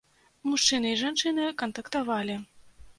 Мужчыны і жанчыны кантактавалі.